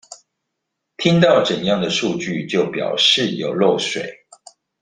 聽到怎樣的數據就表示有漏水